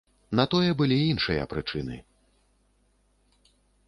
На тое былі іншыя прычыны.